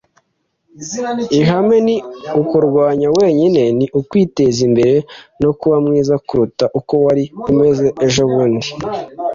Ihame ni ukurwanya wenyine. Ni ukwiteza imbere, no kuba mwiza kuruta uko wari umeze ejobundi. ”